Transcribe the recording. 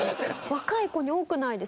若い子に多くないです？